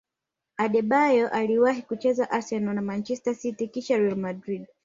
adebayor aliwahi kucheza arsenal na manchester city kisha real madrid